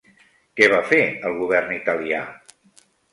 Què va fer el govern Italià?